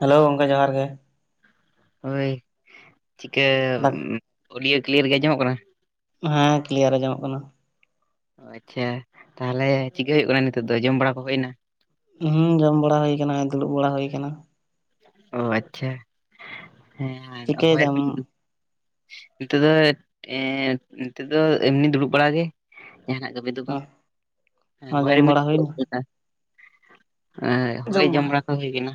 Hello ᱜᱚᱝᱠᱮ ᱡᱚᱸᱦᱟᱨ ᱜᱮ᱾ ᱦᱳᱭ ᱪᱤᱠᱟᱹ ᱚᱰᱤᱭᱳ ᱠᱞᱤᱭᱟᱨ ᱜᱮ ᱟᱸᱡᱚᱢᱚᱜ ᱠᱟᱱᱟ? ᱦᱮᱸ ᱠᱞᱤᱭᱟᱨ ᱟᱸᱡᱚᱢᱚᱜ ᱠᱟᱱᱟ᱾ ᱟᱪᱪᱷᱟ ᱛᱟᱦᱚᱞᱮ ᱪᱤᱠᱟᱹ ᱦᱩᱭᱩᱜ ᱠᱟᱱᱟ ᱱᱤᱛᱚᱜ ᱫᱚ ᱡᱚᱢ ᱵᱟᱲᱟ ᱠᱚ ᱦᱳᱭ ᱮᱱᱟ ᱦᱩᱸ ᱡᱚᱢ ᱵᱟᱲᱟ ᱦᱩᱭ ᱟᱠᱟᱱᱟ ᱫᱩᱲᱩᱵ ᱵᱟᱲᱟ ᱦᱩᱭ ᱟᱠᱟᱱᱟ ᱚ ᱟᱪᱪᱷᱟ ᱦᱮᱸ ᱢᱟ ᱪᱤᱠᱟᱹᱭ ᱫᱚᱦᱚᱭ ᱫᱟᱹᱧ ᱫᱟᱢ ᱱᱤᱛᱚᱜ ᱫᱚ ᱮᱻ ᱱᱤᱛᱚᱜ ᱫᱚ ᱮᱢᱱᱤ ᱫᱩᱲᱩᱵ ᱵᱟᱲᱟ ᱜᱮ ᱡᱟᱦᱟᱱᱟᱜ ᱠᱟᱹᱢᱤ ᱫᱚ ᱵᱟᱝ ᱡᱚᱢ ᱵᱟᱲᱟ ᱦᱩᱭᱱᱟ [unintelligible] ᱟᱻ ᱦᱚᱭ ᱡᱚᱢ ᱵᱟᱲᱟ ᱠᱚ ᱦᱩᱭ ᱠᱟᱱᱟ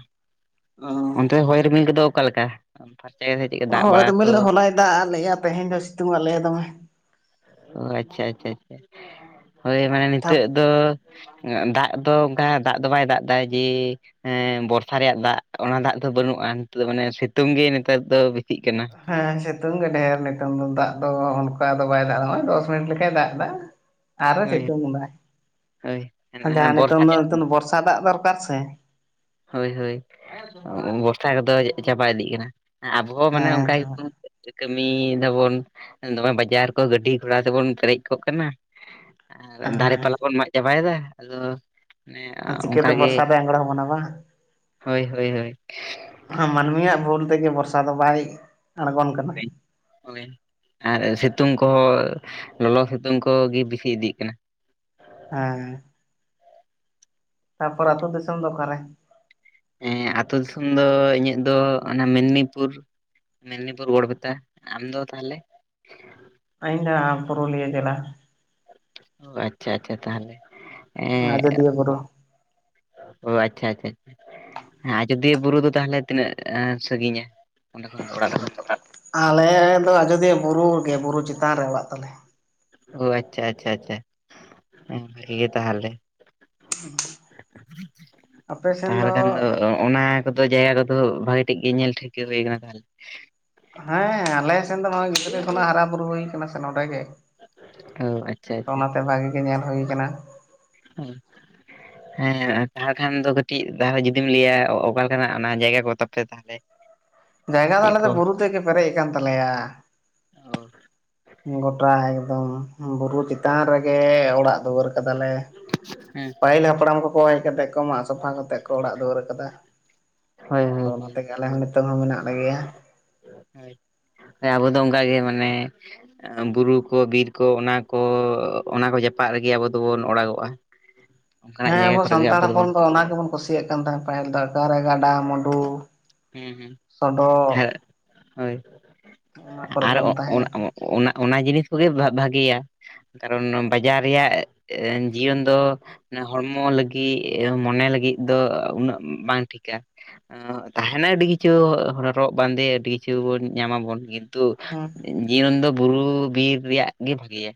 ᱚᱱᱛᱮ ᱦᱚᱭ ᱨᱤᱢᱤᱞ ᱠᱚᱫᱚ ᱚᱠᱟ ᱞᱮᱠᱟ ᱯᱷᱟᱨᱪᱟ ᱜᱮ [unintelligible] ᱦᱳᱭ ᱨᱤᱢᱤᱞ ᱫᱚ ᱦᱚᱞᱟᱭ ᱫᱟᱜ ᱞᱮᱜᱼᱟ ᱛᱮᱦᱮᱧ ᱫᱚ ᱥᱤᱛᱩᱝ ᱟᱞᱮ ᱫᱚᱢᱮ ᱚ ᱟᱪᱪᱷᱟ ᱟᱪᱪᱷᱟ ᱟᱪᱪᱷᱟ ᱦᱳᱭ ᱢᱟᱱᱮ ᱛᱷᱟᱯ ᱱᱤᱛᱚᱜ ᱫᱚᱼᱼ [unintelligible] ᱫᱟᱜ ᱫᱚ ᱚᱱᱠᱟ ᱫᱟᱜ ᱫᱚ ᱵᱟᱭ ᱫᱟᱜ ᱮᱫᱟ ᱡᱮ, ᱦᱮᱸ ᱵᱚᱨᱥᱟ ᱨᱮᱭᱟᱜ ᱫᱟᱜ ᱚᱱᱟ ᱫᱟᱜ ᱫᱚ ᱵᱟᱹᱱᱩᱜᱼᱟ ᱱᱤᱛᱚᱜ ᱢᱟᱱᱮ ᱥᱤᱛᱩᱝ ᱜᱮ ᱱᱤᱛᱚᱜ ᱫᱚ ᱵᱮᱥᱤᱜ ᱠᱟᱱᱟ ᱦᱮᱸ ᱥᱤᱛᱩᱝ ᱜᱮ ᱰᱷᱮᱨ ᱱᱮᱛᱚᱝ ᱫᱚ ᱫᱟᱜ ᱫᱚ ᱚᱱᱠᱟ ᱫᱚ ᱵᱟᱭ ᱫᱟᱜ ᱫᱟ ᱱᱚᱜᱚᱭ ᱫᱚᱥ ᱢᱤᱱᱤᱴ ᱞᱮᱠᱟᱭ ᱫᱟᱜ ᱫᱟ ᱟᱨᱚᱭ ᱦᱳᱭ ᱥᱤᱛᱩᱝ ᱫᱟ ᱦᱳᱭ ᱡᱟᱦᱟᱸ ᱵᱚᱨᱥᱟ ᱱᱤᱛᱚᱝ ᱨᱮᱭᱟᱜ ᱫᱚ [unintelligible] ᱵᱚᱨᱥᱟ ᱫᱟᱜ ᱫᱚᱨᱠᱟᱨ ᱥᱮ ᱦᱳᱭ ᱦᱳᱭ ᱵᱚᱨᱥᱟ ᱠᱚᱫᱚ ᱪᱟᱵᱟ ᱤᱫᱤᱜ ᱠᱟᱱᱟ ᱟᱵᱚ ᱦᱚᱸ ᱢᱟᱱᱮ ᱦᱮᱸ ᱚᱱᱠᱟ ᱜᱮ ᱪᱟᱵᱟ ᱵᱚᱱ ᱠᱟᱹᱢᱤᱭ ᱫᱟᱵᱚᱱ ᱫᱚᱢᱮ ᱵᱟᱡᱟᱨ ᱠᱚ ᱜᱟᱹᱰᱤ ᱜᱷᱚᱲᱟ ᱛᱮᱵᱚᱱ ᱯᱮᱨᱮᱡ ᱠᱚᱜ ᱠᱟᱱᱟ ᱟᱨ ᱫᱟᱨᱮ ᱯᱟᱞᱟ ᱦᱮᱸ ᱠᱚ ᱵᱚᱱ ᱢᱟᱜ ᱪᱟᱵᱟᱭ ᱫᱟ ᱟᱫᱚᱼᱼ ᱦᱮᱸ ᱚᱱᱠᱟ ᱪᱤᱠᱟᱹᱛᱮ ᱜᱮ ᱵᱚᱨᱥᱟ ᱨᱮ ᱟᱸᱜᱽᱲᱚ ᱵᱚᱱᱟ ᱵᱟᱝ ᱦᱳᱭ ᱦᱳᱭ ᱦᱳᱭ ᱢᱟᱹᱱᱢᱤᱭᱟᱜ ᱵᱷᱩᱞ ᱛᱮ ᱜᱮ ᱵᱚᱨᱥᱟ ᱫᱚ ᱵᱟᱭ ᱟᱬᱜᱚᱱ ᱠᱟᱱᱟ ᱦᱳᱭ ᱟᱨ ᱥᱤᱛᱩᱝ ᱠᱚ ᱞᱚᱞᱚ ᱥᱤᱛᱩᱝ ᱠᱚ ᱜᱮ ᱵᱮᱥᱤ ᱤᱫᱤᱜ ᱠᱟᱱᱟ ᱦᱮᱸ ᱛᱟᱨᱯᱚᱨ ᱟᱹᱛᱩ ᱫᱤᱥᱚᱢ ᱫᱚ ᱚᱠᱟ ᱨᱮ? ᱦᱮᱸ ᱟᱹᱛᱩ ᱫᱤᱥᱚᱢ ᱫᱚ ᱤᱧᱟᱹᱜ ᱫᱚ ᱚᱱᱟ ᱢᱮᱫᱽᱱᱤᱯᱩᱨ ᱢᱮᱫᱽᱱᱤᱯᱩᱨ ᱜᱳᱲᱵᱮᱛᱟ ᱟᱢ ᱫᱚ ᱛᱟᱦᱞᱮ ᱟᱹᱧ ᱫᱚ ᱱᱟᱜ ᱟᱭ ᱯᱩᱨᱩᱞᱤᱭᱟᱹ ᱡᱮᱞᱟ ᱚ ᱟᱪᱪᱷᱟ ᱟᱪᱪᱷᱟ ᱛᱟᱦᱞᱮ ᱟᱡᱚᱫᱤᱭᱟᱹ ᱵᱩᱨᱩᱼᱼ ᱚ ᱟᱪᱪᱷᱟ ᱟᱪᱪᱷᱟ ᱟᱪᱪᱷᱟ ᱟᱡᱚᱫᱤᱭᱟᱹ ᱵᱩᱨᱩ ᱫᱚ ᱛᱟᱦᱞᱮ ᱛᱤᱱᱟᱹᱜ ᱥᱟᱺᱜᱤᱧᱼᱟ ᱚᱸᱰᱮ ᱠᱷᱚᱱ ᱫᱚ ᱚᱲᱟᱜ ᱠᱷᱚᱱ ᱫᱚ ᱟᱞᱮ ᱫᱚ ᱟᱡᱚᱫᱤᱭᱟᱹ ᱵᱩᱨᱩ ᱜᱮ ᱵᱩᱨᱩ ᱪᱮᱛᱟᱱ ᱨᱮ ᱚᱲᱟᱜ ᱛᱟᱞᱮ ᱚ ᱟᱪᱪᱷᱟ ᱟᱪᱪᱷᱟ ᱟᱪᱪᱷᱟ ᱤᱱᱠᱟᱹ ᱜᱮ ᱛᱟᱦᱮᱞᱮ ᱟᱯᱮ ᱥᱮᱱ ᱛᱟᱦᱞᱮ ᱠᱷᱟᱱ ᱫᱚ ᱚᱱᱟ ᱠᱚᱫᱚ ᱡᱟᱭᱜᱟ ᱠᱚᱫᱚ ᱵᱷᱟᱜᱤ ᱴᱷᱤᱠ ᱜᱮ ᱧᱮᱞ ᱴᱷᱤᱠᱟᱹ ᱦᱩᱭ ᱠᱟᱱᱟ ᱛᱟᱦᱮᱞᱮ ᱦᱮᱸ ᱟᱞᱮ ᱥᱮᱱ ᱫᱚ ᱱᱚᱜᱼᱚᱭ ᱜᱤᱫᱽᱨᱟᱹ ᱠᱷᱚᱱᱟᱜ ᱦᱟᱨᱟ ᱵᱩᱨᱩ ᱦᱩᱭ ᱠᱟᱱᱟ ᱥᱮ ᱱᱚᱰᱮ ᱜᱮᱼᱼ ᱚ ᱟᱪᱪᱷᱟ ᱟᱪᱪᱷᱟ ᱚᱱᱟᱛᱮ ᱵᱷᱟᱹᱜᱤ ᱜᱮ ᱧᱮᱞ ᱦᱩᱭ ᱠᱟᱱᱟ᱾ [inaudible] ᱦᱮᱸ ᱛᱟᱦᱚᱞᱮ ᱠᱷᱟᱱ ᱫᱚ ᱠᱟᱹᱴᱤᱡ ᱛᱟᱦᱚᱞᱮ ᱡᱩᱫᱤᱢ ᱞᱟᱹᱭᱟ ᱚᱠᱟ ᱞᱮᱠᱟᱱᱟᱜ ᱚᱱᱟ ᱡᱟᱭᱜᱟ ᱠᱚ ᱛᱟᱯᱮ ᱛᱟᱦᱮᱱ [unintelligible] ᱡᱟᱭᱜᱟ ᱫᱚ ᱟᱞᱮ ᱫᱚ ᱵᱩᱨᱩ ᱛᱮᱜᱮ ᱯᱮᱨᱮᱡ ᱟᱠᱟᱱ ᱛᱟᱞᱮᱭᱟ᱾ ᱚ ᱜᱚᱴᱟ ᱮᱠᱫᱚᱢ ᱵᱩᱨᱩ ᱪᱮᱛᱟᱱ ᱨᱮᱜᱮ ᱚᱲᱟᱜ ᱫᱩᱣᱟᱹᱨ᱾ [unintelligible] ᱦᱮᱸ ᱯᱟᱹᱦᱤᱞ ᱦᱟᱯᱲᱟᱢ ᱠᱚᱠᱚ ᱦᱮᱡ ᱠᱟᱛᱮ ᱢᱟᱜ ᱥᱟᱯᱷᱟ ᱠᱟᱛᱮ ᱠᱚ ᱚᱲᱟᱜ ᱫᱩᱣᱟᱹᱨ ᱠᱟᱫᱟ᱾ ᱦᱳᱭ ᱦᱳᱭ ᱚᱱᱟ ᱛᱮᱜᱮ ᱟᱞᱮ ᱦᱚᱸ ᱱᱤᱛᱚᱜ ᱦᱚᱸ ᱢᱮᱱᱟᱜ ᱞᱮᱜᱮᱭᱟ ᱦᱚᱭ ᱟᱵᱚ ᱫᱚ ᱚᱱᱠᱟᱜ ᱜᱮ ᱢᱟᱱᱮ ᱵᱩᱨᱩ ᱠᱚ ᱵᱤᱨ ᱠᱚ ᱚᱱᱟ ᱠᱚ ᱚᱱᱟ ᱠᱚ ᱡᱟᱯᱟᱜ ᱨᱮᱜᱮ ᱟᱵᱚ ᱫᱚᱵᱚᱱ ᱚᱲᱟᱜᱚᱜᱼᱟ᱾ ᱚᱱᱠᱟᱱᱟᱜ ᱦᱮᱸ ᱟᱵᱚ ᱡᱟᱭᱜᱟ ᱠᱚᱨᱮ ᱜᱮ ᱥᱟᱱᱛᱟᱲ ᱦᱚᱯᱚᱱ ᱫᱚᱵᱚᱱ ᱫᱚ ᱚᱱᱟ ᱜᱮᱵᱚᱱ ᱠᱩᱥᱤᱭᱟᱜ ᱠᱟᱱ ᱛᱟᱦᱮᱸ ᱯᱟᱹᱦᱤᱞ ᱫᱚ ᱚᱠᱟᱨᱮ ᱜᱟᱰᱟ ᱢᱩᱰᱩ ᱦᱩᱸ ᱦᱩᱸ ᱥᱚᱰᱚᱜ ᱦᱮᱸ ᱦᱳᱭ ᱚᱱᱟ ᱠᱚᱨᱮ ᱟᱨᱚ ᱜᱮᱵᱚᱱ [unintelligible] ᱛᱟᱦᱮᱸ ᱚᱱᱟ ᱚᱱᱟ ᱡᱤᱱᱤᱥ ᱠᱚᱜᱮ ᱵᱷᱟᱜᱮᱭᱟ᱾ ᱠᱟᱨᱚᱱ ᱵᱟᱡᱟᱨ ᱨᱮᱭᱟᱜ ᱡᱤᱭᱚᱱ ᱫᱚ ᱚᱱᱟ ᱦᱚᱲᱢᱚ ᱞᱟᱹᱜᱤᱫ, ᱢᱚᱱᱮ ᱞᱟᱹᱜᱤᱫ ᱫᱚ ᱩᱱᱟᱹᱜ ᱵᱟᱝ ᱴᱷᱤᱠᱟ᱾ ᱛᱟᱦᱮᱱᱟ ᱟᱹᱰᱤ ᱠᱤᱪᱷᱩ ᱦᱚᱨᱚᱜ ᱵᱟᱸᱫᱮ ᱟᱹᱰᱤ ᱠᱤᱪᱷᱩ ᱵᱚᱱ ᱧᱟᱢ ᱟᱵᱚᱱ ᱠᱤᱱᱛᱩ ᱦᱮᱸ ᱡᱤᱭᱚᱱ ᱫᱚ ᱵᱩᱨᱩ ᱵᱤᱨ ᱨᱮᱭᱟᱜ ᱜᱮ ᱵᱷᱟᱜᱮᱭᱟ᱾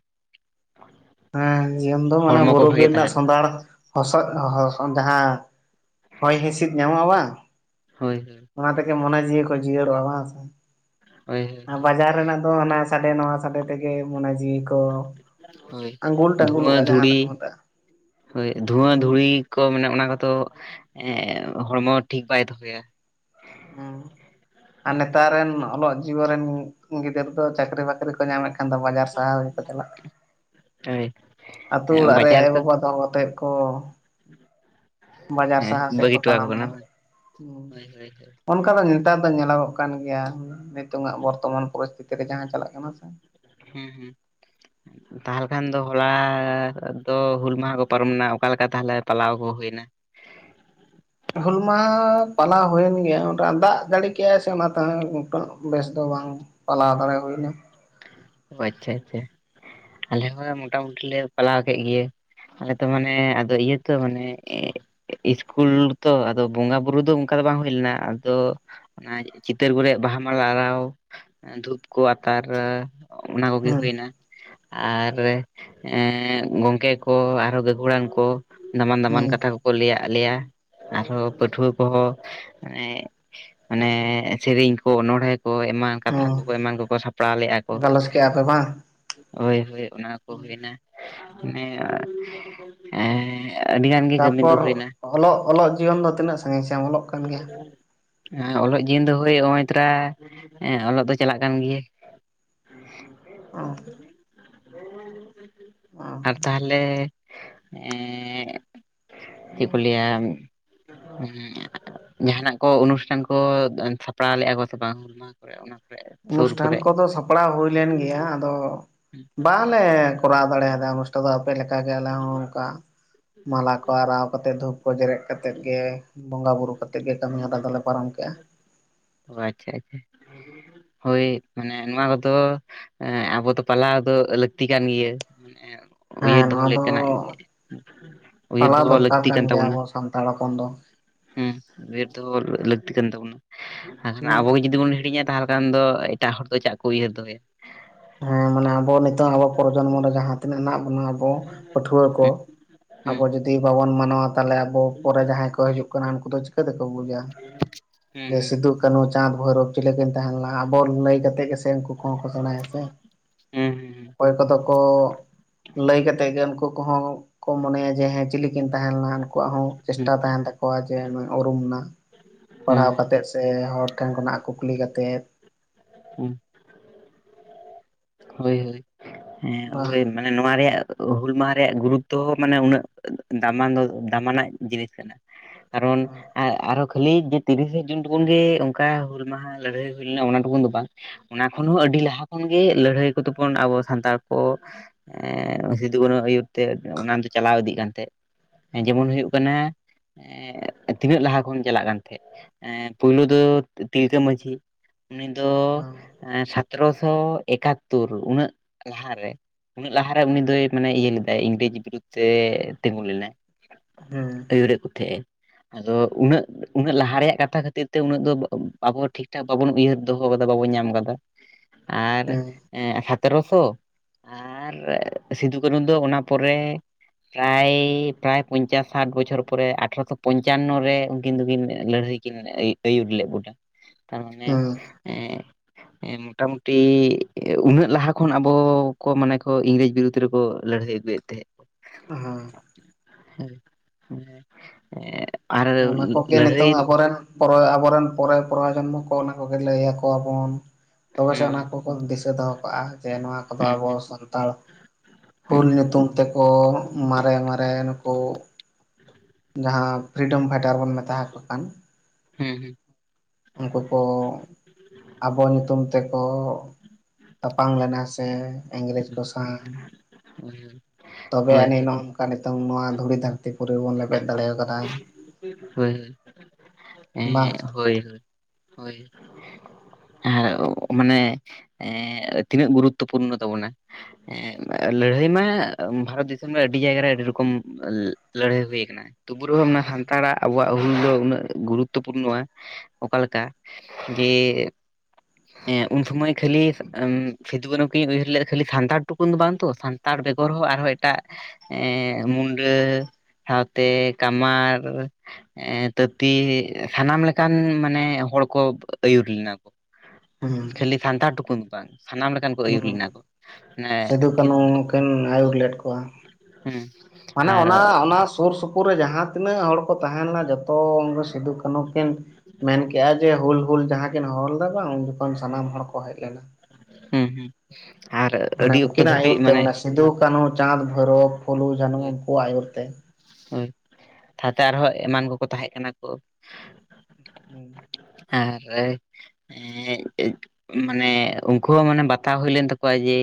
[inaudible] ᱦᱮᱸ ᱡᱤᱭᱚᱱ ᱫᱚ ᱢᱟᱱᱮ ᱦᱚᱲᱢᱚ ᱠᱚ ᱵᱩᱨᱩ ᱵᱤᱨ ᱵᱷᱟᱜᱮ ᱨᱮᱱᱟᱜ ᱛᱟᱦᱮᱱᱟ ᱥᱚᱸᱫᱷᱟᱲ [unintelligible] ᱡᱟᱦᱟᱸ ᱦᱚᱭ ᱦᱤᱥᱤᱫ ᱧᱟᱢᱚᱜᱼᱟ ᱵᱟᱝ, ᱦᱳᱭ ᱦᱳᱭ᱾ ᱚᱱᱟ ᱛᱮᱜᱮ ᱢᱚᱱᱮ ᱡᱤᱣᱤ ᱠᱚ ᱡᱤᱭᱟᱹᱲᱚᱜᱼᱟ ᱵᱟᱝᱸ ᱥᱮ, ᱦᱳᱭ ᱟᱨ ᱵᱟᱡᱟᱨ ᱨᱮᱱᱟᱜ ᱫᱚ ᱦᱟᱱᱟ ᱥᱟᱰᱮ ᱱᱟ ᱥᱟᱰᱮ ᱛᱮᱜᱮ ᱢᱚᱱᱮ ᱡᱤᱣᱤ ᱠᱚ ᱦᱳᱭ ᱟᱸᱜᱩᱞ ᱫᱷᱩᱸᱣᱟᱹ ᱴᱟᱸᱜᱩᱞᱚᱜᱼᱟ ᱫᱷᱩᱲᱤ, ᱡᱟᱦᱟᱸ ᱫᱚᱠᱚ ᱢᱮᱛᱟᱜᱼᱟ ᱦᱳᱭ ᱫᱷᱩᱸᱣᱟᱹ ᱦᱩᱸ ᱫᱷᱩᱲᱤ ᱠᱚ ᱢᱟᱱᱮ ᱚᱱᱟ ᱠᱚᱫᱚ ᱮᱸ ᱦᱚᱲᱢᱚ ᱴᱷᱤᱠ ᱵᱟᱭ ᱫᱚᱦᱚᱭᱟ᱾ ᱦᱩᱸ᱾ ᱟᱨ ᱱᱮᱛᱟᱨ ᱨᱮᱱ ᱚᱞᱚᱜ ᱡᱤᱭᱚᱱ ᱨᱮᱱ ᱜᱤᱫᱟᱹᱨ ᱫᱚ ᱪᱟᱹᱠᱨᱤ ᱵᱟᱹᱠᱨᱤ ᱠᱚ ᱧᱟᱢᱮᱫ ᱠᱷᱟᱱ ᱫᱚ ᱵᱟᱡᱟᱨ ᱥᱟᱦᱟᱨ ᱨᱮᱜᱮ ᱠᱚ ᱪᱟᱞᱟᱜ ᱠᱟᱱᱟ᱾ ᱦᱳᱭ᱾ ᱟᱹᱛᱩ ᱚᱲᱟᱜ ᱨᱮ ᱵᱟᱡᱟᱨ ᱟᱭᱳ ᱠᱚ ᱵᱟᱵᱟ ᱫᱚᱦᱚ ᱠᱟᱛᱮᱜ ᱠᱚ ᱵᱟᱡᱟᱨ ᱦᱮᱸ ᱥᱟᱦᱟᱨ ᱥᱮᱫ ᱵᱟᱹᱜᱤ ᱠᱚ ᱦᱚᱴᱚ ᱟᱠᱚ ᱛᱟᱲᱟᱢ ᱠᱟᱱᱟ ᱮᱫᱟ, ᱵᱟᱝ ᱦᱳᱭ ᱦᱳᱭ ᱦᱮᱸ᱾ ᱚᱱᱠᱟ ᱫᱚ ᱱᱮᱛᱟᱨ ᱫᱚ ᱧᱮᱞᱚᱜᱚᱜ ᱠᱟᱱ ᱜᱮᱭᱟ ᱱᱤᱛᱚᱝᱼᱟᱜ ᱵᱚᱨᱛᱚᱢᱟᱱ ᱯᱚᱨᱤᱥᱛᱷᱤᱛᱤ ᱨᱮ ᱡᱟᱦᱟᱸ ᱪᱟᱞᱟᱜ ᱠᱟᱱᱟ ᱥᱮ, ᱦᱮᱸ ᱦᱮᱸ᱾ [inaudible] ᱛᱟᱦᱚᱞᱮ ᱠᱷᱟᱱ ᱫᱚ ᱦᱚᱞᱟ ᱫᱚ ᱦᱩᱞ ᱢᱟᱦᱟ ᱠᱚ ᱯᱟᱨᱚᱢᱮᱱᱟ ᱚᱠᱟ ᱞᱮᱠᱟ ᱛᱟᱦᱚᱞᱮ ᱯᱟᱞᱟᱣ ᱠᱚ ᱦᱩᱭᱱᱟ? ᱦᱩᱞ ᱢᱟᱦᱟ ᱯᱟᱞᱟᱣ ᱦᱩᱭᱮᱱ ᱜᱮᱭᱟ, ᱢᱚᱴᱟ ᱫᱟᱜ ᱡᱟᱲᱤ ᱠᱮᱜ-ᱟᱭ ᱥᱮ ᱚᱱᱟᱛᱮ ᱦᱚᱸ [unintelligible] ᱵᱮᱥ ᱫᱚ ᱵᱟᱝ᱾ ᱯᱟᱞᱟ ᱫᱟᱲᱮ ᱦᱩᱭᱱᱟ᱾ ᱚ ᱟᱪᱪᱷᱟ ᱟᱪᱪᱷᱟ ᱟᱞᱮ ᱦᱚᱸ ᱢᱚᱴᱟᱢᱩᱴᱤ ᱞᱮ ᱯᱟᱞᱟᱣ ᱠᱮᱫ ᱜᱮᱭᱟ᱾ ᱟᱞᱮ ᱫᱚ ᱢᱟᱱᱮ ᱟᱫᱚ ᱤᱭᱟᱹ ᱛᱚ ᱢᱟᱱᱮ ᱤᱥᱠᱩᱞ ᱛᱚ ᱟᱫᱚ ᱵᱚᱸᱜᱟ ᱵᱩᱨᱩ ᱫᱚ ᱚᱱᱠᱟ ᱫᱚ ᱵᱟᱝ ᱦᱩᱭ ᱞᱮᱱᱟ ᱟᱫᱚ ᱚᱱᱟ ᱪᱤᱛᱟᱹᱨ ᱠᱚᱨᱮᱜ ᱵᱟᱦᱟ ᱢᱟᱞᱟ ᱟᱨᱟᱣ, ᱮᱸ ᱫᱷᱩᱯ ᱠᱚ ᱟᱛᱟᱨ ᱚᱱᱟ ᱠᱚᱜᱮ ᱦᱩᱸ ᱦᱩᱭᱮᱱᱟ᱾ ᱟᱨ ᱮᱸ ᱜᱚᱝᱠᱮ ᱠᱚ ᱟᱨᱦᱚᱸ ᱜᱟᱹᱠᱷᱩᱹᱲᱟᱱ ᱠᱚ ᱫᱟᱢᱟᱱ ᱦᱩᱸ ᱫᱟᱢᱟᱱ ᱠᱟᱛᱷᱟ ᱠᱚᱠᱚ ᱞᱟᱹᱭᱟᱫ ᱞᱮᱭᱟ, ᱟᱨᱦᱚᱸ ᱯᱟᱹᱴᱷᱩᱣᱟᱹ ᱠᱚᱦᱚᱸ ᱚᱱᱮ ᱢᱟᱱᱮ ᱥᱮᱨᱮᱧ ᱠᱚ ᱚᱱᱚᱬᱦᱮ ᱠᱚ ᱮᱢᱟᱱ ᱠᱟᱛᱷᱟ ᱠᱚᱠᱚ ᱮᱢᱟᱱ ᱠᱚᱠᱚ ᱥᱟᱯᱲᱟᱣ ᱞᱮᱫᱼᱟ ᱠᱚ᱾ ᱠᱮᱜ-ᱟ ᱯᱮ ᱵᱟᱝ? ᱦᱳᱭ ᱦᱳᱭ ᱚᱱᱟ ᱠᱚ ᱦᱩᱭᱮᱱᱟ, ᱢᱟᱱᱮ ᱮᱸ ᱛᱟᱯᱚᱨ ᱚᱞᱚᱜ ᱚᱞᱚᱜ ᱡᱤᱭᱚᱱ ᱫᱚ ᱛᱤᱱᱟᱹᱜ ᱥᱟᱺᱜᱤᱧ ᱥᱮ ᱮᱢ ᱚᱞᱚᱜ? ᱠᱟᱱ ᱜᱮᱭᱟ ᱦᱮᱸ ᱚᱞᱚᱜ ᱡᱤᱭᱚᱱ ᱫᱚ ᱦᱳᱭ ᱦᱚᱸᱜᱼᱚᱭ ᱛᱷᱚᱲᱟ ᱦᱮᱸ ᱚᱞᱚᱜ ᱫᱚ ᱪᱟᱞᱟᱜ ᱠᱟᱱ ᱜᱮᱭᱟ᱾ [inaudible] ᱚ᱾ ᱚ ᱟᱨ ᱛᱟᱦᱚᱞᱮ ᱮᱸ ᱪᱮᱫ ᱠᱚ ᱞᱟᱹᱭᱟ, ᱦᱩᱸ ᱾ ᱡᱟᱦᱟᱱᱟᱜ ᱠᱚ ᱚᱱᱩᱥᱴᱷᱟᱱ ᱠᱚ ᱮᱫ ᱥᱟᱯᱲᱟᱣ ᱞᱮᱜᱼᱟ ᱠᱚ ᱥᱮ ᱵᱟᱝ? ᱠᱚᱨᱮ ᱚᱱᱟ ᱠᱚᱨᱮ ᱥᱩᱨ ᱚᱱᱩᱥᱴᱷᱟᱱ ᱠᱚᱨᱮ ᱠᱚᱫᱚ ᱥᱟᱯᱲᱟᱣ ᱦᱩᱭ ᱞᱮᱱ ᱜᱮᱭᱟ ᱟᱫᱚ ᱵᱟᱝᱞᱮ ᱠᱚᱨᱟᱣ ᱫᱟᱲᱮᱭᱟᱫᱟ ᱚᱱᱩᱥ ᱴᱟ ᱫᱚ ᱟᱯᱮ ᱞᱮᱠᱟᱜᱮ ᱟᱞᱮ ᱦᱚᱸ ᱚᱝᱠᱟ ᱾ ᱢᱟᱞᱟ ᱠᱚ ᱟᱨᱟᱣ ᱠᱟᱛᱮᱜ ᱫᱷᱩᱯ ᱠᱚ ᱡᱮᱨᱮᱫ ᱠᱟᱛᱮᱜ ᱜᱮ ᱵᱚᱸᱜᱟ ᱵᱩᱨᱩ ᱠᱟᱛᱮᱫ ᱜᱮ ᱠᱟᱹᱢᱤ ᱦᱚᱨᱟ ᱫᱚᱞᱮ ᱯᱟᱨᱚᱢ ᱠᱮᱜᱼᱟ ᱾ ᱚ ᱟᱪᱪᱷᱟ ᱟᱪᱪᱷᱟ, ᱦᱳᱭ ᱢᱟᱱᱮ ᱱᱚᱣᱟ ᱠᱚᱫᱚ ᱦᱮᱸ ᱟᱵᱚ ᱫᱚ ᱯᱟᱞᱟᱣ ᱫᱚ ᱞᱟᱹᱠᱛᱤ ᱠᱟᱱ ᱜᱮᱭᱟ, ᱢᱟᱱᱮ ᱦᱮᱸ ᱩᱭᱦᱟᱹᱨ ᱫᱚᱦᱚ ᱱᱚᱣᱟ ᱫᱚ ᱞᱮᱠᱟᱱᱟᱜ ᱩᱭᱦᱟᱹᱨ ᱫᱚᱦᱚ ᱞᱟᱹᱠᱛᱤ ᱠᱟᱱ ᱛᱟᱵᱚᱱᱟ ᱾ ᱛᱟᱲᱟ ᱠᱚᱱ ᱫᱚ ᱦᱩᱸ, ᱩᱭᱦᱟᱹᱨ ᱫᱚᱦᱚ ᱞᱟᱹᱠᱛᱤ ᱠᱟᱱ ᱛᱟᱵᱚᱱᱟ, ᱮᱠᱷᱟᱱ ᱟᱵᱚᱜᱮ ᱡᱩᱫᱤ ᱵᱚᱱ ᱦᱤᱲᱤᱧᱟ, ᱛᱟᱦᱚᱞᱮ ᱠᱷᱟᱱ ᱫᱚ ᱮᱴᱟᱜ ᱦᱚᱲ ᱫᱚ ᱪᱟᱜ ᱠᱚ ᱩᱭᱦᱟᱹᱨ ᱫᱚᱦᱭᱟ ᱾ ᱦᱮᱸ ᱢᱟᱱᱮ ᱟᱵᱚ ᱱᱤᱛᱚᱜ ᱟᱵᱚ ᱯᱨᱚᱡᱚᱱᱢᱚ ᱨᱮ ᱡᱟᱦᱟᱸ ᱛᱤᱱᱟᱹᱜ ᱦᱮᱱᱟᱜ ᱵᱚᱱᱟ ᱟᱵᱚ ᱯᱟᱹᱴᱷᱩᱣᱟᱹ ᱠᱚ, ᱦᱮᱸ ᱦᱮᱸ ᱟᱵᱚ ᱡᱩᱫᱤ ᱵᱟᱵᱚᱱ ᱢᱟᱱᱟᱣᱟ ᱛᱟᱦᱚᱞᱮ ᱟᱵᱚ ᱯᱚᱨᱮ ᱡᱟᱦᱟᱸᱭ ᱠᱚ ᱦᱤᱡᱩᱜ ᱠᱟᱱᱟ ᱩᱱᱠᱩ ᱫᱚ ᱪᱤ ᱠᱟᱹ ᱛᱮᱠᱚ ᱵᱩᱡᱟ ᱦᱮᱸ ᱡᱮ ᱥᱤᱫᱩ ᱠᱟᱺᱦᱩ ᱪᱟᱸᱫᱽ ᱵᱷᱳᱭᱨᱳᱵᱽ ᱪᱮᱞᱮ ᱠᱤᱱ ᱛᱟᱦᱮᱸ ᱞᱮᱱᱟ? ᱟᱵᱚ ᱞᱟᱹᱭ ᱠᱟᱛᱮᱫ ᱜᱮ ᱥᱮ ᱩᱱᱠᱩ ᱠᱚᱦᱚᱸ ᱠᱚ ᱥᱮᱬᱟᱭᱟ ᱥᱮ ᱾ ᱦᱮᱸ ᱦᱮᱸ ᱦᱮᱸ ᱚᱠᱚᱭ ᱠᱚᱫᱚ ᱠᱚ ᱞᱟᱹᱭ ᱠᱟᱛᱮᱜ ᱜᱮ ᱩᱱᱠᱩ ᱠᱚᱦᱚᱸ ᱠᱚ ᱢᱚᱱᱮᱭᱟ ᱡᱮ ᱦᱮᱸ ᱪᱤᱞᱤᱠᱤᱱ ᱛᱟᱦᱮᱸ ᱞᱮᱱᱟ ᱩᱱᱠᱩᱣᱟᱜ ᱦᱚᱸ ᱪᱮᱥᱴᱟ ᱛᱟᱦᱮᱱ ᱛᱟ ᱠᱚᱣᱟ ᱡᱮ ᱱᱩᱭ ᱩᱨᱩᱢ ᱱᱟ, ᱯᱟᱲᱦᱟᱣ ᱦᱮᱸ ᱠᱟᱛᱮᱫ ᱥᱮ ᱦᱚᱲ ᱴᱷᱮᱱ ᱠᱷᱚᱱᱟᱜ ᱠᱩᱠᱞᱤ ᱠᱟᱛᱮᱫ ᱾ ᱦᱮᱸ ᱦᱳᱭ ᱦᱳᱭ ᱾ ᱵᱟ! ᱱᱚᱣᱟ ᱨᱮᱭᱟᱜ ᱦᱩᱞ ᱢᱟᱦᱟ ᱨᱮᱭᱟᱜ ᱜᱩᱨᱩᱛᱛᱚ ᱦᱚᱸ ᱢᱟᱱᱮ ᱩᱱᱟᱹᱜ ᱫᱟᱢᱟᱱ ᱫᱚ ᱫᱟᱢᱟᱱᱟᱜ ᱡᱤᱱᱤᱥ ᱠᱟᱱᱟ ᱾ [unintelligible] ᱠᱟᱨᱚᱱ ᱟ-ᱟᱨᱚ ᱠᱷᱟᱹᱞᱤ ᱡᱮ ᱛᱤᱨᱤᱥᱮ ᱡᱩᱱ ᱴᱩᱠᱩᱱ ᱜᱮ ᱚᱝᱠᱟ ᱦᱩᱞ ᱢᱟᱦᱟ ᱞᱟᱹᱲᱦᱟᱹᱭ ᱦᱩᱭ ᱞᱮᱱᱟ ᱚᱱᱟ ᱴᱩᱠᱩᱱ ᱫᱚ ᱵᱟᱝ ᱾ ᱚᱱᱟ ᱠᱷᱚᱱ ᱦᱚᱸ ᱟᱹᱰᱤ ᱞᱟᱦᱟ ᱠᱷᱚᱱᱜᱮ ᱞᱟᱹᱲᱦᱟᱹᱭ ᱠᱚᱫᱚᱵᱚᱱ ᱟᱵᱚ ᱥᱟᱱᱛᱟᱲ ᱠᱚ ᱮᱸᱻ ᱥᱤᱫᱩ ᱠᱟᱹᱱᱩᱣᱟᱜ ᱟᱹᱭᱩᱨ ᱛᱮ ᱚᱱᱟ ᱫᱚ ᱪᱟᱞᱟᱣ ᱤᱫᱤᱜ ᱠᱟᱱ ᱛᱟᱦᱮᱸᱫ, ᱦᱮᱸ ᱡᱮᱢᱚᱱ ᱦᱩᱭᱩᱜ ᱠᱟᱱᱟ ᱮᱸ ᱛᱤᱱᱟᱹᱜ ᱞᱟᱦᱟ ᱠᱷᱚᱱ ᱪᱟᱞᱟᱜ ᱠᱟᱱ ᱛᱟᱦᱮᱸᱫ, ᱮᱸ ᱯᱳᱭᱞᱳ ᱫᱚ ᱛᱤᱞᱠᱟᱹ ᱢᱟᱺᱡᱷᱤ ᱩᱱᱤ ᱫᱚ ᱥᱟᱛᱚᱨᱚᱥᱚ ᱮᱠᱟᱛᱛᱳᱨ ᱩᱱᱟᱹᱜ ᱞᱟᱦᱟᱨᱮ, ᱩᱱᱟᱹᱜ ᱞᱟᱦᱟᱨᱮ ᱩᱱᱤ ᱫᱚᱭ ᱢᱟᱱᱮ ᱤᱭᱟᱹ ᱞᱮᱫᱟᱭ ᱤᱝᱨᱮᱡᱽ ᱵᱤᱨᱩᱫᱽᱫᱷᱮ ᱛᱤᱸᱜᱩ ᱞᱮᱱᱟᱭ ᱾ ᱦᱮᱸ ᱾ ᱟᱹᱭᱩᱨᱮᱜ ᱠᱚ ᱛᱟᱦᱮᱸᱜᱼᱮ ᱾ ᱟᱫᱚ ᱩᱱᱟᱹᱜ ᱩᱱᱟᱹᱜ ᱞᱟᱦᱟ ᱨᱮᱭᱟᱜ ᱠᱟᱛᱷᱟ ᱠᱷᱟᱹᱛᱤᱨ ᱛᱮ ᱩᱱᱟᱹᱜ ᱟᱵ ᱟᱵᱚ ᱦᱚᱸ ᱴᱷᱤᱠ ᱴᱷᱟᱠ ᱵᱟᱵᱚᱱ ᱩᱭᱦᱟᱹᱨ ᱫᱚᱦᱚ ᱠᱟᱫᱟ ᱵᱟᱵᱚᱱ ᱧᱟᱢ ᱟᱠᱟᱫᱟ ᱾ [unintelligible] ᱟᱨ ᱦᱮᱸ ᱮᱸᱜ ᱥᱟᱛᱮᱨᱚᱥᱚ ᱟᱨ ᱥᱤᱫᱩ ᱠᱟᱹᱱᱩ ᱫᱚ ᱚᱱᱟ ᱯᱚᱨᱮ ᱯᱨᱟᱭ ᱯᱨᱟᱭ ᱯᱚᱧᱪᱟᱥ ᱥᱟᱴ ᱵᱚᱪᱷᱚᱨ ᱯᱚᱨᱮ ᱟᱴᱷᱨᱚᱥᱚ ᱯᱚᱧᱪᱟᱱᱱᱚ ᱨᱮ ᱩᱱᱠᱤᱱ ᱫᱚᱠᱤᱱ ᱞᱟᱹᱲᱦᱟᱹᱭ ᱠᱤᱱ ᱟᱹᱭ ᱟᱹᱭᱩᱨ ᱞᱮᱫ ᱵᱚᱱᱟ ᱾ ᱛᱟᱨᱢᱟᱱᱮ ᱦᱮᱸ ᱮᱸ ᱮᱸ ᱢᱚᱴᱟᱢᱩᱴᱤ ᱩᱱᱟᱹᱜ ᱞᱟᱦᱟ ᱠᱷᱚᱱ ᱟᱵᱚᱻ ᱠᱚ ᱢᱟᱱᱮ ᱠᱚ ᱤᱝᱨᱮᱡᱽ ᱵᱤᱨᱩᱫᱽ ᱨᱮᱠᱚ ᱞᱟᱹᱲᱦᱟᱹᱭ ᱟᱹᱜᱩᱭᱮᱫ ᱛᱟᱦᱮᱸᱫ ᱾ ᱦᱮᱸ ᱾ [inaudible] ᱚᱱᱟ ᱠᱚ ᱠᱤ ᱟᱨ ᱞᱟᱹᱲᱦᱟᱹᱭ ᱱᱤᱛᱚᱝ ᱟᱵᱚᱨᱮᱱ ᱯᱚᱨᱮ ᱟᱵᱚᱨᱮᱱ ᱯᱚᱨᱮ ᱯᱚᱨᱚᱡᱚᱱᱢᱚ ᱠᱚ ᱚᱱᱟ ᱠᱚᱜᱮ ᱞᱟᱹᱭᱟᱠᱚᱣᱟᱵᱚᱱ, ᱛᱚᱵᱮ ᱥᱮ ᱦᱮᱸ ᱚᱱᱟ ᱠᱚ ᱵᱚᱱ ᱫᱤᱥᱟᱹ ᱫᱚᱦᱚ ᱠᱟᱜᱼᱟ ᱡᱮ ᱱᱚᱣᱟ ᱠᱚᱫᱚ ᱦᱮᱸ ᱟᱵᱚ ᱦᱮᱸ ᱥᱟᱱᱛᱟᱲ ᱦᱮᱸ ᱦᱩᱞ ᱧᱩᱛᱩᱢ ᱛᱮᱠᱚ ᱢᱟᱨᱮ ᱢᱟᱨᱮ ᱱᱩᱠᱩ ᱡᱟᱦᱟᱸ ᱯᱷᱨᱤᱰᱚᱢ ᱯᱷᱟᱭᱴᱟᱨ ᱵᱚᱱ ᱢᱮᱛᱟ ᱦᱟᱠᱚ ᱠᱟᱱ ᱦᱮᱸ ᱦᱮᱸ ᱩᱱᱠᱩ ᱠᱚᱼᱼ ᱟᱵᱚ ᱧᱩᱛᱩᱢ ᱛᱮᱠᱚ ᱛᱟᱯᱟᱢ ᱞᱮᱱᱟ ᱥᱮᱼᱼ ᱤᱝᱨᱮᱡᱽ ᱠᱚ ᱥᱟᱶ ᱦᱮᱸ ᱛᱚᱵᱮ ᱦᱳᱭ ᱟᱹᱱᱤᱡ ᱱᱚᱝᱠᱟ ᱱᱤᱛᱚᱝ ᱱᱚᱣᱟ ᱫᱷᱩᱲᱤ ᱫᱷᱟᱹᱨᱛᱤ ᱯᱩᱨᱤ ᱵᱚᱱ ᱞᱮᱵᱮᱫ ᱫᱟᱲᱮᱣ ᱠᱟᱫᱟ [unintelligible] ᱦᱳᱭ ᱦᱳᱭ ᱵᱟᱝ ᱮᱸ ᱥᱮ ᱦᱳᱭ ᱦᱳᱭ [inaudible] ᱟᱨ ᱢᱟᱱᱮ ᱮ ᱛᱤᱱᱟᱹᱜ ᱜᱩᱨᱩᱛᱛᱚ ᱯᱩᱨᱱᱚ ᱛᱟᱵᱚᱱᱟ ᱮᱸ ᱞᱟᱹᱲᱦᱟᱹᱭ ᱢᱟ ᱵᱷᱟᱨᱚᱛ ᱫᱤᱥᱚᱢ ᱨᱮ ᱟᱹᱰᱤ ᱡᱟᱭᱜᱟᱨ ᱨᱮ ᱟᱹᱰᱤ ᱨᱚᱠᱚᱢ ᱞᱟᱹᱲᱦᱟᱹᱭ ᱦᱩᱭ ᱟᱠᱟᱱᱟ ᱛᱩᱵᱩ ᱨᱮᱦᱚᱸ ᱢᱟᱱᱮ ᱥᱟᱱᱛᱟᱲᱟᱜ ᱟᱵᱚᱣᱟᱜ ᱦᱩᱞ ᱫᱚ ᱩᱱᱟᱹᱜ ᱜᱩᱨᱩᱛᱛᱚ ᱯᱩᱨᱱᱚᱼᱟ ᱚᱠᱟ ᱞᱮᱠᱟ ᱡᱮ, ᱦᱮᱸ ᱩᱱ ᱥᱚᱢᱟᱹᱭ ᱠᱷᱟᱹᱞᱤ ᱥᱤᱫᱩ ᱠᱟᱱᱩ ᱩᱭᱦᱟᱹᱨ ᱞᱮᱫᱟ ᱠᱷᱟᱹᱞᱤ ᱥᱟᱱᱛᱟᱲ ᱴᱩᱠᱩᱱ ᱫᱚ ᱵᱟᱝ ᱛᱚ ᱛᱟᱨ ᱵᱮᱜᱚᱨ ᱦᱚᱸ ᱟᱨᱦᱚᱸ ᱮᱴᱟᱜ ᱮᱸ ᱢᱩᱱᱰᱟᱹ ᱥᱟᱶ ᱛᱮᱼᱼ ᱠᱟᱢᱟᱨ ᱮᱸ ᱛᱟᱹᱛᱤ ᱥᱟᱱᱟᱢ ᱞᱮᱠᱟᱱ ᱢᱟᱱᱮ ᱦᱚᱲ ᱠᱚ ᱟᱹᱭᱩᱨ ᱞᱮᱱᱟ ᱠᱚ ᱦᱩᱸ ᱠᱷᱟᱹᱞᱤ ᱥᱟᱱᱛᱟᱲ ᱴᱩᱠᱩᱱ ᱫᱚ ᱵᱟᱝ ᱥᱟᱱᱟᱢ ᱞᱮᱠᱟᱱ ᱟᱹᱭᱩᱨ ᱦᱩᱸ ᱞᱮᱱᱟ ᱠᱚ ᱢᱟᱱᱮ ᱥᱤᱫᱩ ᱠᱟᱹᱱᱩ ᱠᱤᱱᱛᱩ ᱠᱤᱱ ᱟᱹᱭᱩᱨ ᱞᱮᱫ ᱠᱚᱣᱟ ᱦᱮᱸ ᱢᱟᱱᱮ ᱚᱱᱟ ᱚᱱᱟ ᱥᱩᱨ ᱥᱩᱯᱩᱨ ᱨᱮ ᱡᱟᱦᱟᱸ ᱛᱤᱱᱟᱹᱜ ᱦᱚᱲ ᱠᱚ ᱛᱟᱦᱮᱸ ᱞᱮᱱᱟ ᱡᱚᱛᱚ ᱩᱱ ᱥᱤᱫᱩ ᱠᱟᱱᱦᱩ ᱠᱤᱱ ᱢᱮᱱᱠᱮᱜᱼᱟ ᱡᱮ ᱦᱩᱞ ᱦᱩᱞ ᱡᱟᱦᱟᱸ ᱠᱤᱱ ᱦᱚᱦᱚ ᱞᱮᱫᱟ ᱵᱟᱝ ᱩᱱ ᱡᱚᱠᱷᱚᱱ ᱥᱟᱱᱟᱢ ᱦᱚᱲ ᱠᱚ ᱦᱮᱡ ᱞᱮᱱᱟ ᱦᱩᱸ ᱦᱩᱸ ᱟᱨ ᱟᱹᱰᱤ ᱚᱠᱛᱚ ᱫᱷᱟᱹᱵᱤᱡ ᱢᱟᱱᱮ ᱥᱤᱫᱩᱼ ᱠᱟᱹᱱᱦᱩ ᱪᱟᱸᱫᱽ ᱵᱷᱳᱭᱨᱳᱵ ᱯᱷᱩᱞᱩ ᱡᱟᱱᱚ ᱩᱱᱠᱩᱭᱟᱜ ᱟᱹᱭᱩᱨ ᱛᱮ ᱦᱳ ᱛᱟᱦᱛᱮ ᱟᱨᱦᱚᱸ ᱮᱢᱟᱱ ᱠᱚᱠᱚ ᱛᱟᱦᱮᱸ ᱠᱟᱱᱟ ᱠᱚ ᱦᱮᱸ ᱟᱨ [unintelligible] ᱢᱟᱱᱮ ᱩᱱᱠᱩ ᱦᱚᱸ ᱢᱟᱱᱮ ᱵᱟᱛᱟᱣ ᱦᱩᱭ ᱞᱮᱱ ᱛᱟᱠᱚᱣᱟ ᱡᱮ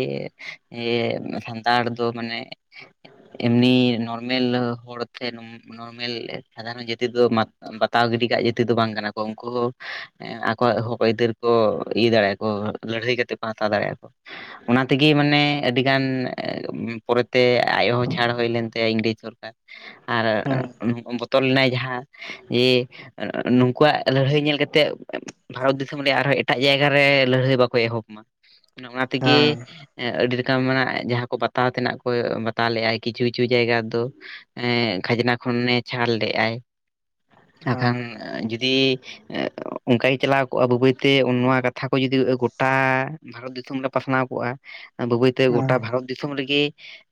ᱮ [unintelligible] ᱥᱟᱱᱛᱟᱲ ᱫᱚ ᱢᱟᱱᱮ ᱮᱢᱱᱤ ᱱᱚᱨᱢᱮᱞ ᱦᱚᱲ ᱥᱮ ᱱᱚᱨᱢᱮᱞ ᱥᱟᱫᱷᱟᱨᱚᱱ ᱡᱟᱹᱛᱤ ᱫᱚ [unintelligible] ᱵᱟᱛᱟᱣ ᱜᱤᱰᱤ ᱠᱟᱜ ᱡᱟᱹᱛᱤ ᱫᱚ ᱵᱟᱝ ᱠᱟᱱᱟ ᱠᱚ ᱩᱱᱠᱩ ᱦᱚᱸ ᱟᱠᱚᱣᱟᱜ ᱦᱚᱠ ᱟᱹᱭᱫᱟᱹᱨ ᱠᱚ ᱤᱭᱟᱹ ᱫᱟᱲᱮᱭᱟᱜᱼᱟ ᱠᱚ ᱞᱟᱹᱲᱦᱟᱹᱭ ᱠᱟᱛᱮᱜ ᱠᱚ ᱦᱟᱛᱟᱣ ᱫᱟᱲᱮᱭᱟᱜᱼᱟ ᱠᱚ ᱚᱱᱟ ᱛᱮᱜᱮ ᱢᱟᱱᱮ ᱟᱹᱰᱤ ᱜᱟᱱ ᱯᱚᱨᱮᱛᱮᱼᱼ ᱟᱡ ᱦᱚᱸ ᱪᱷᱟᱲ ᱦᱩᱭ ᱞᱮᱱ ᱛᱟᱭᱟ ᱤᱝᱨᱮᱡᱽ ᱥᱚᱨᱠᱟᱨ ᱟᱨ ᱦᱮᱸ [unintelligible] ᱵᱚᱛᱚᱨ ᱞᱮᱱᱟᱭ ᱡᱟᱦᱟᱸ ᱡᱮ ᱱᱩᱠᱩᱣᱟᱜ ᱞᱟᱹᱲᱦᱟᱹᱭ ᱧᱮᱞ ᱠᱟᱛᱮᱜ [unintelligible] ᱵᱷᱟᱨᱚᱛ ᱫᱤᱥᱚᱢ ᱨᱮᱭᱟᱜ ᱟᱨᱦᱚᱸ ᱮᱴᱟᱜ ᱡᱟᱭᱜᱟ ᱨᱮ ᱞᱟᱹᱲᱦᱟᱹᱭ ᱵᱟᱠᱚ ᱮᱦᱚᱵ ᱢᱟ ᱚᱱᱟ ᱛᱮᱜᱮ ᱦᱮᱸ ᱟᱹᱰᱤ ᱨᱚᱠᱚᱢ ᱱᱟᱜ ᱡᱟᱦᱟᱸ ᱠᱚ ᱵᱟᱛᱟᱣ ᱛᱮᱱᱟᱜ ᱠᱚ ᱦᱟᱛᱟᱭ ᱞᱮᱫ ᱟᱭ ᱠᱤᱪᱷᱩ ᱠᱤᱪᱷᱩ ᱡᱟᱭᱜᱟ ᱫᱚ ᱮ ᱠᱷᱟᱡᱽᱱᱟ ᱠᱷᱚᱱᱮ ᱪᱷᱟᱞ ᱞᱮᱜᱟᱭ ᱱᱟᱠᱷᱟᱱ ᱡᱩᱫᱤᱼᱼ ᱚᱱᱠᱟ ᱜᱮ ᱪᱟᱞᱟᱣ ᱠᱚᱜᱼᱟ ᱵᱟᱹᱭ ᱵᱟᱹᱭ ᱛᱮ ᱱᱚᱣᱟ ᱠᱟᱛᱷᱟ ᱠᱚ ᱡᱩᱫᱤ ᱜᱚᱴᱟ ᱵᱷᱟᱨᱚᱛ ᱫᱤᱥᱚᱢ ᱞᱮ ᱯᱟᱥᱱᱟᱣ ᱠᱚᱜᱼᱟ ᱵᱟᱹᱭ ᱵᱟᱹᱭ ᱛᱮ ᱦᱮᱸ ᱜᱚᱴᱟ ᱵᱷᱟᱨᱚᱛ ᱫᱤᱥᱚᱢ ᱨᱮᱜᱮ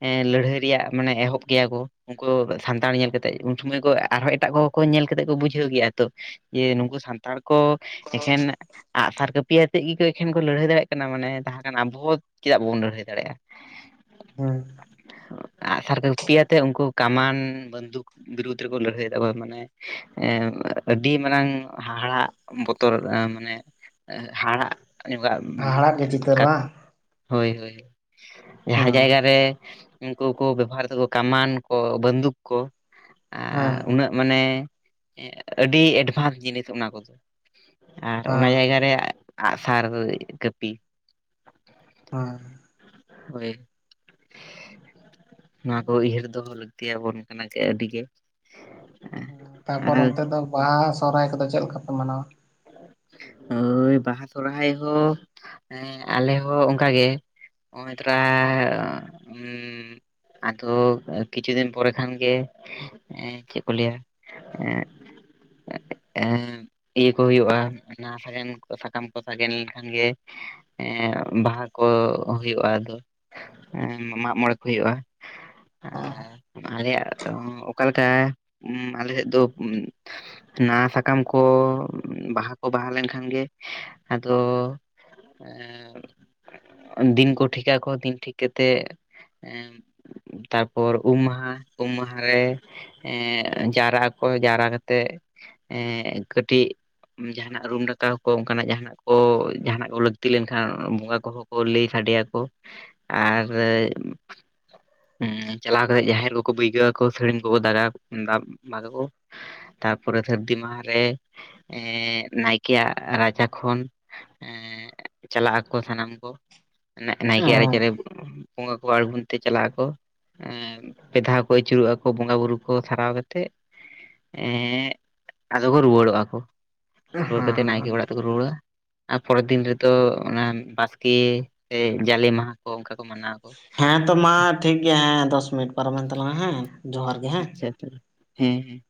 ᱮᱸ ᱞᱟᱹᱲᱦᱟᱹᱭ ᱨᱮᱭᱟᱜ ᱢᱟᱱᱮ ᱮᱦᱚᱵ ᱜᱮᱭᱟ ᱠᱚ ᱩᱱᱠᱩ ᱥᱟᱱᱛᱟᱲ ᱧᱮᱞ ᱠᱟᱛᱮᱜ ᱩᱱ ᱥᱚᱢᱚᱭ ᱠᱚ ᱟᱨᱦᱚᱸ ᱮᱴᱟᱜ ᱠᱚ ᱠᱚ ᱧᱮᱞ ᱠᱟᱛᱮᱜ ᱠᱚ ᱵᱩᱡᱷᱟᱹᱣ ᱜᱮᱭᱟ ᱛᱚ ᱡᱮ ᱱᱩᱠᱩ ᱥᱟᱱᱛᱟᱲ ᱠᱚ ᱮᱠᱷᱮᱱᱼᱼ ᱟᱸᱜ ᱥᱟᱨ ᱠᱟᱹᱯᱤ ᱟᱛᱮᱫ ᱜᱮᱠᱚ ᱮᱠᱷᱮᱱ ᱠᱚ ᱞᱟᱹᱲᱦᱟᱹᱭ ᱫᱟᱲᱮᱭᱟᱜ ᱠᱟᱱᱟ ᱢᱟᱱᱮ ᱡᱟᱦᱟᱸ ᱠᱷᱟᱱ ᱟᱵᱚ ᱪᱮᱫᱟᱜ ᱵᱟᱵᱚᱱ ᱞᱟᱹᱲᱦᱟᱹᱭ ᱫᱟᱲᱮᱭᱟᱜᱼᱟ ᱦᱮᱸ ᱟᱜᱼᱥᱟᱨ ᱠᱚ ᱯᱤᱭᱟᱛᱮ ᱩᱱᱠᱩ ᱠᱟᱢᱟᱱ ᱵᱚᱱᱫᱷᱩᱠ ᱵᱤᱨᱩᱫᱽ ᱨᱮᱵᱚᱱ ᱞᱟᱹᱲᱦᱟᱹᱭ ᱫᱟ ᱢᱟᱱᱮ ᱟᱹᱰᱤ ᱢᱟᱨᱟᱝ ᱦᱟᱦᱟᱲᱟᱜ ᱵᱚᱛᱚᱨ ᱢᱟᱱᱮ ᱦᱟᱦᱟᱲᱟᱜ ᱧᱚᱜᱟᱜ ᱢᱟᱱᱮ ᱦᱟᱦᱟᱲᱟᱜ ᱜᱮ ᱪᱤᱛᱟᱹᱨ ᱵᱟᱝ ᱦᱳᱭ ᱦᱳᱭ ᱡᱟᱦᱟᱸ ᱦᱮᱸ ᱡᱟᱭᱜᱟ ᱨᱮ ᱩᱱᱠᱩ ᱠᱚ ᱵᱮᱵᱚᱦᱟᱨ ᱫᱟᱠᱚ ᱠᱟᱢᱟᱱ ᱠᱚ ᱵᱟᱱᱫᱩᱠ ᱠᱚ ᱦᱮᱸ ᱟᱨ ᱩᱱᱟᱹᱜ ᱢᱟᱱᱮ ᱟᱹᱰᱤ ᱮᱰᱵᱷᱟᱱᱥ ᱡᱤᱱᱤᱥ ᱚᱱᱟ ᱠᱚᱫᱚ ᱟᱨ ᱚᱱᱟ ᱦᱮᱸ ᱡᱟᱭᱜᱟ ᱨᱮ ᱟᱸᱜ-ᱥᱟᱨ ᱠᱟᱹᱯᱤ ᱦᱚᱭ ᱦᱳᱭ ᱱᱚᱣᱟ ᱠᱚ ᱩᱭᱦᱟᱹᱨ ᱫᱚᱦᱚ ᱞᱟᱹᱠᱛᱤ‌ᱭᱟᱵᱚᱱ ᱠᱟᱱᱟ ᱡᱮ ᱟᱹᱰᱤᱜᱮ ᱛᱟᱯᱚᱨ ᱚᱱᱛᱮ ᱫᱚ ᱵᱟᱦᱟ ᱥᱚᱦᱚᱨᱟᱭ ᱠᱚᱫᱚ ᱪᱮᱫ ᱞᱮᱠᱟ ᱯᱮ ᱢᱟᱱᱟᱣᱟ ᱦᱳᱭ ᱵᱟᱦᱟ ᱥᱚᱨᱦᱟᱭ ᱦᱚᱸ ᱮᱸ ᱟᱞᱮ ᱦᱚᱸ ᱚᱱᱠᱟᱜ ᱜᱮ ᱚᱭ ᱛᱚᱨᱟ ᱩ ᱟᱫᱚ ᱠᱤᱪᱷᱩ ᱫᱤᱱ ᱯᱚᱨᱮ ᱠᱷᱟᱱ ᱜᱮ ᱪᱮᱫ ᱠᱚ ᱞᱟᱹᱭᱟ ᱮᱸ ᱮᱸᱻ ᱦᱩᱭᱩᱜ-ᱟ ᱚᱱᱟ ᱥᱟᱜᱮᱱ ᱥᱟᱠᱟᱢ ᱠᱚ ᱥᱟᱜᱮᱱ ᱞᱮᱱᱠᱷᱟᱱ ᱜᱮ ᱮ ᱵᱟᱦᱟ ᱠᱚ ᱦᱩᱭᱩᱜ-ᱟ ᱟᱫᱚ ᱢᱟᱜ ᱢᱚᱬᱮ ᱠᱚ ᱦᱩᱭᱩᱜ-ᱟ ᱟᱨ ᱟᱞᱮᱭᱟᱜ ᱚᱠᱟ ᱞᱮᱠᱟ ᱟᱞᱮ ᱥᱮᱫ ᱫᱚ ᱱᱟᱣᱟ ᱥᱟᱠᱟᱢ ᱠᱚ ᱵᱟᱦᱟ ᱠᱚ ᱵᱟᱦᱟ ᱞᱮᱱᱠᱷᱟᱱ ᱜᱮ ᱟᱫᱚ ᱫᱤᱱ ᱠᱚ ᱴᱷᱤᱠᱟ ᱠᱚ ᱫᱤᱱ ᱴᱷᱤᱠ ᱠᱟᱛᱮ ᱮ ᱛᱟᱨᱯᱚᱨ ᱩᱢ ᱢᱟᱦᱟ ᱩᱢ ᱢᱟᱦᱟ ᱨᱮ ᱮ ᱡᱟᱣᱨᱟᱜ ᱟᱠᱚ ᱡᱟᱣᱨᱟ ᱠᱟᱛᱮᱜ ᱮ ᱠᱟᱹᱴᱤᱡ ᱡᱟᱦᱟᱱᱟᱜ ᱨᱩᱢ ᱰᱟᱠᱟᱣ ᱠᱚ ᱚᱱᱠᱟᱱᱟᱜ ᱡᱟᱦᱱᱟᱜ ᱠᱚ ᱡᱟᱦᱟᱱᱟᱜ ᱠᱚ ᱞᱟᱹᱠᱛᱤ ᱞᱮᱱᱠᱷᱟᱱ ᱵᱚᱸᱜᱟ ᱠᱚᱦᱚᱸ ᱠᱚ ᱞᱟᱹᱭ ᱥᱟᱰᱮᱭᱟᱠᱚ ᱟᱨ ᱪᱟᱞᱟᱣ ᱠᱟᱛᱮᱜ ᱡᱟᱦᱮᱨ ᱠᱚᱠᱚ ᱵᱟᱹᱭᱜᱟ. ᱣ ᱟᱠᱚ ᱥᱟᱹᱲᱤᱢ ᱠᱚᱠᱚ ᱫᱟᱜᱟ ᱫᱟᱵ ᱢᱟᱜ ᱟᱠᱚ ᱛᱟᱯᱚᱨᱮ ᱥᱟᱹᱨᱫᱤ ᱢᱟᱦᱟᱨᱮ ᱱᱟᱭᱠᱮᱭᱟᱜ ᱨᱟᱪᱟ ᱠᱷᱚᱱ ᱪᱟᱞᱟᱜ ᱟᱠᱚ ᱥᱟᱱᱟᱢ ᱠᱚ ᱱᱟᱜ ᱱᱟᱭᱠᱮ ᱭᱟᱜ ᱦᱮᱸ ᱨᱟᱪᱟᱨᱮ ᱵᱚᱸᱜᱟ ᱠᱚ ᱟᱬᱜᱚᱱ ᱛᱮ ᱪᱟᱞᱟᱜ ᱟᱠᱚ ᱯᱮᱫᱷᱟᱣ ᱠᱚ ᱟᱹᱪᱩᱨᱚᱜ-ᱟ ᱟᱠᱚ ᱵᱚᱸᱜᱟ ᱵᱩᱨᱩ ᱠᱚ ᱥᱟᱨᱟᱣ ᱠᱟᱛᱮᱜ ᱮᱫ ᱟᱫᱚ ᱠᱚ ᱨᱩᱣᱟᱹᱲᱚᱜ-ᱟ ᱠᱚ ᱨᱩᱣᱟᱹᱲ ᱠᱟᱛᱮ ᱦᱮᱸ ᱱᱟᱭᱠᱮ ᱚᱲᱟᱜ ᱛᱮᱠᱚ ᱨᱩᱣᱟᱹᱲᱟ ᱟᱨ ᱯᱚᱨᱮᱨ ᱫᱤᱱ ᱨᱮᱫᱚ ᱚᱱᱟ ᱵᱟᱥᱠᱮ ᱥᱮ ᱡᱟᱞᱮ ᱢᱟᱦᱟ ᱚᱱᱠᱟ ᱠᱚ ᱢᱟᱱᱟᱣᱟ ᱠᱚ ᱦᱮᱸ ᱛᱚ ᱢᱟ ᱴᱷᱤᱠ ᱜᱮᱭᱟ ᱦᱮᱸ ᱫᱚᱥ ᱢᱤᱱᱤᱴ ᱯᱟᱨᱚᱢᱮᱱ ᱛᱟᱞᱟᱝᱟ ᱦᱮᱸ ᱡᱚᱦᱟᱨ ᱜᱮ ᱦᱮᱸ ᱟᱪᱪᱷᱟ ᱟᱪᱪᱷᱟ ᱦᱮᱸ ᱦᱮᱸ